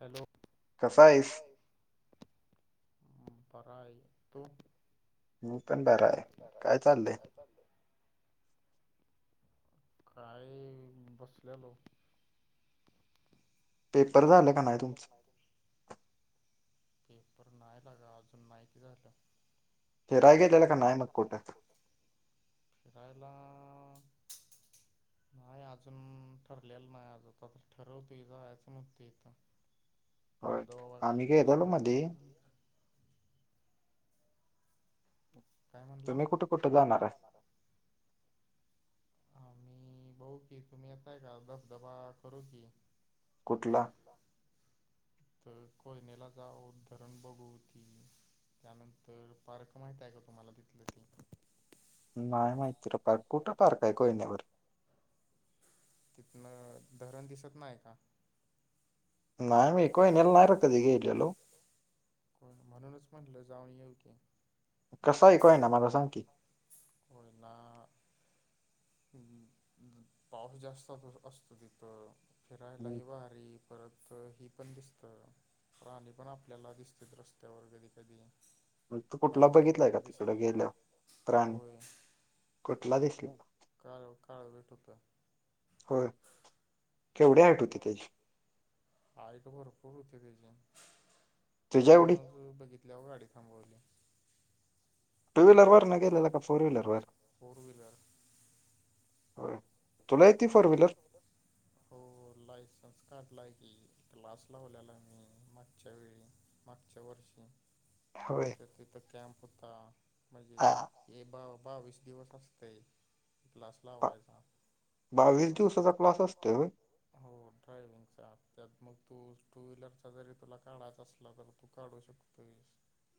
Hello बरा आहे तू? मी पण बरं आहे काय चाललंय? काय बसल्यालो. पेपर झालं का नाही तुमचं? पेपर नाही लेगा अजून माहिती झालं. फिरायला गेलेला नाही मग कुठ फिरायला नाही अजून ठरलेलं नाही आजवता तर ठरवतो जायचं मग तेत. धबधबा बघाले तेच तुम्ही कुठे कुठं जाणार आहे? आम्ही बऊ की तुम्ही येताय का धबधबा करू की. कुठला तर कोयनेला जाऊन धरण बघू ती. त्यानंतर पार्क माहित आहे का तुम्हाला तिथलं ती? नाही माहिती रे पार्क कुठं पार्क आहे कोयन्यावर. तिथनं धरण दिसत नाही का? नाय मी कोयनेला ना रे कधी गेलेलो. होय म्हणूनच म्हटलं जाऊन येऊ की. कसं आयको यायना मला सांग की. होय ना. हम्म हम्म हम्म पाऊस जास्त तो असतो तिथं फिरायलाही भारी परत ही पण दिसतं. प्राणी पण आपल्याला दिसततेत रस्त्यावर कधी-कधी. मग तू कुठला बघितलाय का तिकडं गेल्यावर प्राणी कुठला दिसला? काळव काळव भेट होता. होय केवढी हाईट होते त्याची. हाईट भरपूर होते त्याची लांबच बघितल्यावर गाडी थांबवली. टू व्हीलर वरनं गेलेला का फोर व्हीलर वर? होय तुला येती फोर व्हीलर? [inaudible] हो लायसन्स काढला आहे की क्लास लावलेला आहे मी मागच्या वेळी. मागच्या वर्षी तर तिथे कॅम्प होता मजे ये बाव बावीस दिवस असतोय क्लास लावायचा. बावीस दिवसाचा क्लास असतोय वय. हो. ड्रायव्हिंगचा त्यात मग तू टू व्हीलरचा जरी तुला काढायचा असला तर तू काढू शकतोय. ह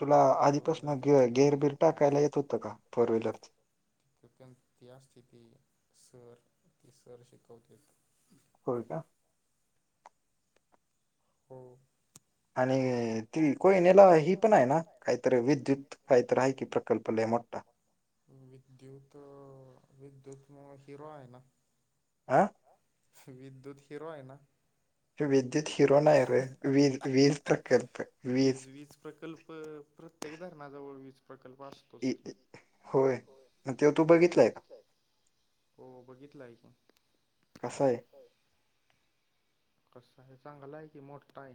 तुला आधीपासूनं गेर गेयर बीर टाकायला येत होतं का फोर व्हीलरचा? ते पण ती असते की सर ते सर शिकवतील. होय का. हो. आणि ती कोय नेला ही पण आहे ना काहीतरी विद्युत काहीतरी आहे की प्रकल्प लय आहे मोठा. विद्युत विद्युत म हिरो आहे ना. आ विद्युत हिरो आहे ना. वीज वीज प्रकल्प प्र प्त्येक धरणा जवळ वीज प्रकल्प असतोच की. होय त्यो तू बघितलाय का? हो बघितलं आहे कि. कसं आहे? कसं आहे चांगलं आहे की मोठा आहे?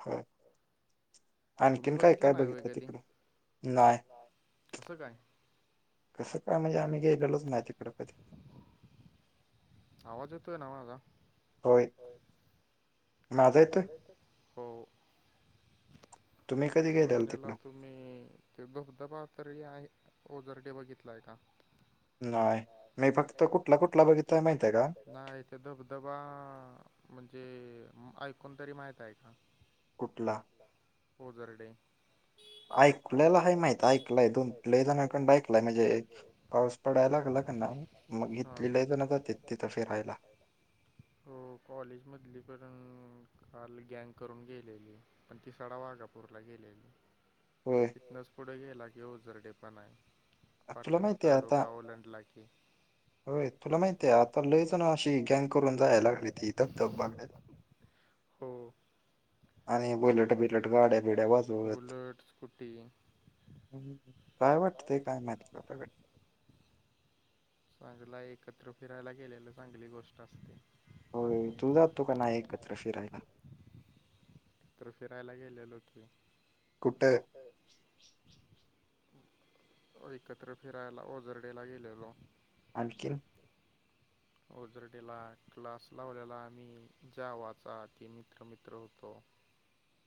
हा. आणखीन काय काय बघितलं तिकडं नाय. कसं काय म्हणजे आम्ही गेलोलेच नाही तिकडे कधी. आवाज येतोय ना माझा? होय. हो. तुम्ही कधी गेल्याल तिकडे? मी ते धबधबा तरी आहे ओझरडे बघितलाय आहे का? नाय मी फक्त कुठला-कुठला बघित नाहीत ते धबधबा म्हणजे ऐकून तरी माहित आहे का? कुठला? हो जरडे ऐकलेला आहे माहित आहे. ऐकलंय दोन ल जणांकड ऐकलाय म्हणजे पाऊस पडायला लागला का नाही, मग इथली लई जण लईजण जात्यात तिथं फिरायला. हो कॉलेज मधली पण, काल गँग करून गेलेली. पण ती सडा वाघापूरला गेलेली. होय. तिथंतनच पुढे गेला की, उझरडे पण आहे. पाटण तालुका ओलंडला की, होय तुला माहितीये आता लय जण अशी प्लॅन करून जायला लागल्यात [unintelligible] हो बुलट, स्कुटी. काय वाटतंय काय माहिती [unintelligible] चांगला एकत्र फिरायला गेलेलं, चांगली गोष्ट असते. होय. तू जातो का नाही एकत्र फिरायला? तर फिरायला गेलेलो की. एकत्र फिरायला ओझर्डेला गेलेलो. आणखीन? ओझर्डीला क्लास लावल्याला मी ज्यावाचा ती मित्र मित्र होतो.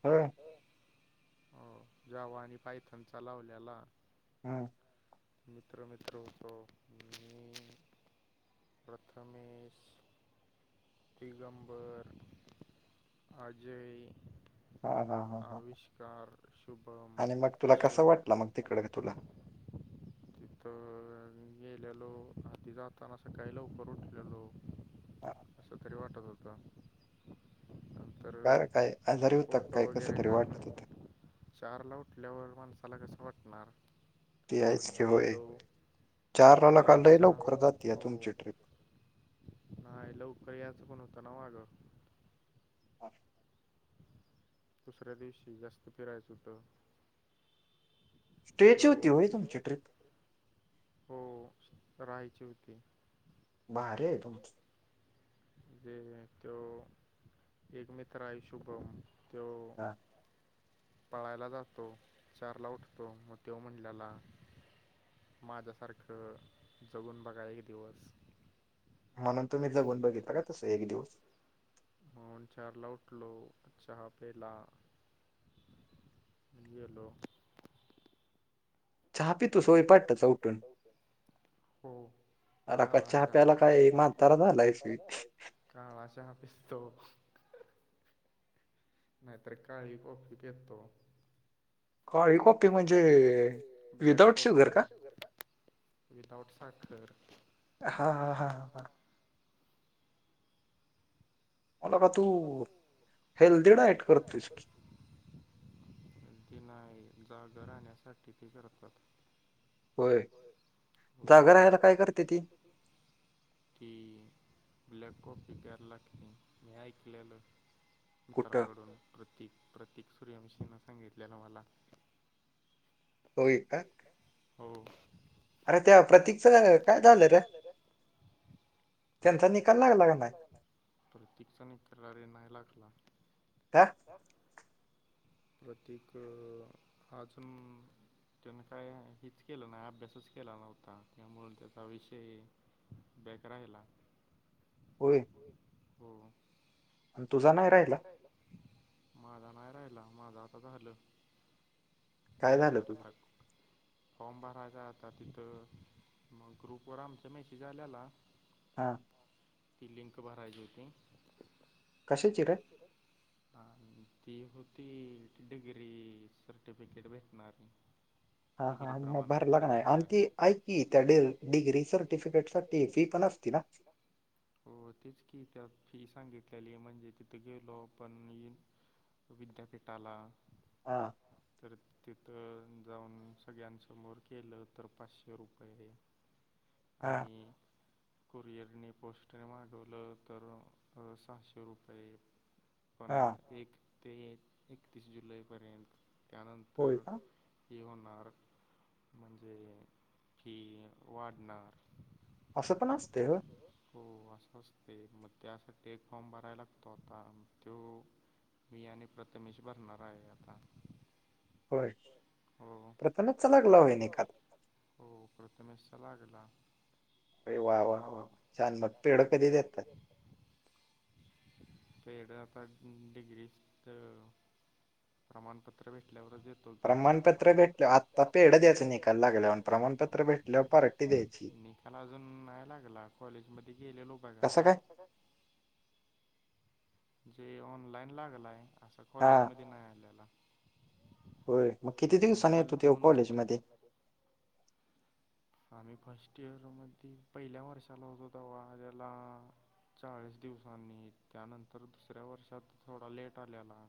होय. हो जावा आणि पायथनचा लावल्याला. हा. मित्र मित्र होतो. मी प्रथमेश दिगंबर, अजय हा हा हा हा हा. कार, शुभम, किशोर तर गेलेलो, आधी जातानं सकाळी लवकर उठलेलो. कसंतरी वाटत होतं. खर फोटो वगैरे काढला. चारला उठल्यावर माणसाला कसं वाटणार, पण गेलो. [unintelligible] चहा हो. नाही लवकर यायचं पण होतं ना माग. [unintelligible] दुसऱ्या दिवशी जास्त फिरायचं होतं. त्यो हो रहायची होती. भारी आहे तुमचं. जे त्यो एक मित्र आहे शुभम त्यो पळायला जातो, चारला उठतो, म त्यो म्हटल्याला. माझ्यासारखं जगून बघा एक दिवस. म्हणून तुम्ही जगून बघितलं का तसं एक दिवस? म्हणून चारला उठलो चहा पिला. गेलो. चहा पीत होता हहोय पहाटेच उठून? हो. काळा चहा, काळा चहा पितो. नाहीतर काळी कॉफी पेतो. काळी कॉफी म्हणजे ब्लॅक कॉफी विदाउट शुगर का? विदाउट साखर. हा हा हा हा हा. अ लेका तू हेल्दी डाईट करतोस की? ते नाही जाड राहण्यासाठी ते करतात. होय जाग रहायला काय करतेती? की ब्लॅक कॉफी प्याय लागती मी ऐकलेलं. मित्रांकडून, प्रतीक प्रतीक सूर्यवंशी नं सांगितलेलं मला. हो काय, हो. अरे त्या प्रतीकच काय झालं र? त्यांचा निकाल लागला का नाही? प्रतीकचा निकरा रे नाही लागला. का? [unintelligible] प्रतीक अजून त्यान काय हेच केलं नाही, अभ्यासच केला नव्हता. त्यामुळं त्याचा विषय बॅक राहिला होय. होय, हो. तुझा नाही राहिला? माझा नाही राहिला, माझं आता झालं. ग्रॅज्युएट आता [unintelligible] फॉर्म भरायचा हाय आता तिथं, मग ग्रुपवर आमचा मेसेज आलेला. हां. ती लिंक भरायची होती. हां ती होती डिग्री सर्टिफिकेट भेटणारी. हा हा मग भरला की नाही आणि ती ऐककी त्या डिग्री सर्टिफिकेट साठी फी पण अस तिला हो तेच की, त्यात फी सांगितलेली म्हणजे म्हणजे तिथं गेलो आपण येऊन, तो विद्यापीठाला. तर तिथं जाऊन सगळ्यांसमोर केलं तर पाचशे रुपये आहे. आणि कुरिअरने पोस्टने मागवलं तर सहाशे रुपये. काही पण एक ते एकतीस जुलैपर्यंत. त्यानंतर हे होणार म्हणजे की वाढणार. असं पण असतंय होय? हो असं असते, मग त्यासाठी एक फॉर्म भरायला तो आता, तो मी आणि प्रथमेश भरणार आहे आता. होय, प्रथमेशचा लागला होय निकाल? हो प्रथमेशचा लागला. अरे वा वा वा छान मग पेढ कधी देताय? पेढ आता डिग्रीज प्रमाणपत्र भेटल्यावरच देत चल की. प्रमाणपत्र भेटल्यावर आता पेढ द्यायचं निकाल लागल्यावर, प्रमाणपत्र भेटल्यावर निकाल अजून नाही लागला, कॉलेज मध्ये गेलेलो बघायला. कसं काय जे ऑनलाईन लागलाय, असं कॉलेजमध्ये नाही आल्याला होय मग किती दिवसांनी येतोय त्यो कॉलेजमध्ये? आम्ही फर्स्ट इयर मध्ये पहिल्या वर्षाला होतो तेव्हा आलेला. चाळीस दिवसांनी, त्यानंतर दुसऱ्या वर्षात थोडा लेट आलेला.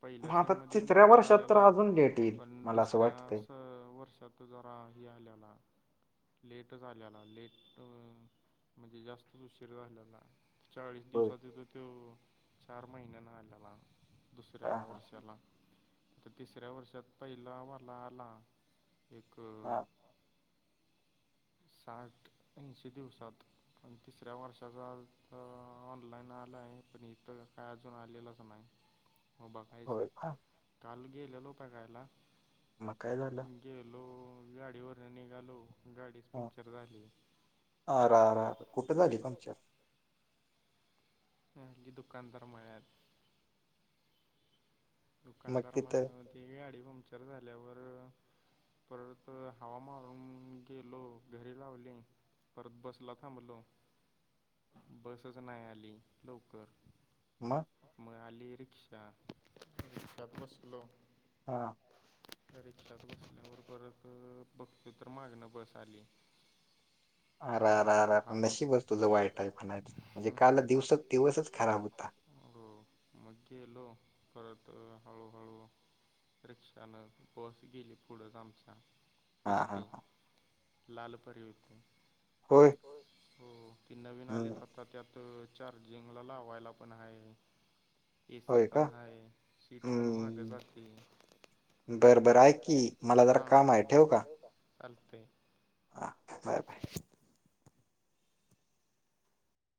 [inaudible] पहिल्या सेम मध्ये लवकर आलेला, पण दुसऱ्या असं वर्षात जरा हे आलेला. लेटच आल्याला लेट म्हणजे जास्तच उशीर झालेला. चाळीस दिवसा तिथं तो चार महिन्यानं आलेला, दुसऱ्या वर्ष त्याला आता तिसऱ्या वर्षात पहिलावाला आला. एक साठ एंशी दिवसात पण तिसऱ्या वर्षाचा आज तर ऑनलाईन आलाय, पण इथं काय अजून आलेलंच नाही. हो बघायच, काल गेलेलो बघायला. मग काय झालं? गेलो गाडीवरून वरण निघालो, गाडीच पंक्चर झाली. आ रा रा, कुठे झाली पंक्चर. आली दुकानदार मळ्यात. दुकानदार मला म्हणतोय की गाडी पंक्चर झाल्यावर परत हवा मारून गेलो, घरी लावली. परत बसला थांबलो, बसचं नाही आली लवकर. मग? मग आली रिक्षा. रिक्षात बसलो. हा. रिक्षात बसल्यावर परत बघतुय तर मागनं बस आली. [inaudible] हा का? [unintelligible] हो. मग गेलो परत हळूहळू. रिक्षान बस गेली, पुढंच आमच्या. यस्टी लाल परी होती. होय. हो ते नवीन आले आता त्यात. तर चार्जिंगला लावायला पण हाय, एसी पण हाय. शीट पण माग जाते, बरबर ऐक की. माझ जरा काम हाय काय. चालतंय. हा बाय बाय.